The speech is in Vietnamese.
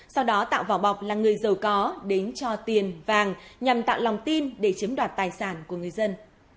sau đó tạo vỏ bọc là người giàu có đến cho tiền vàng nhằm tạo lòng tin để chiếm đoạt tài sản của người dân